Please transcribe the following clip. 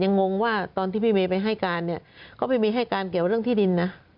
ยังงงว่าตอนที่พี่เมย์ไปให้การก็พี่เมย์ให้การเกี่ยวเรื่องที่ดินนะ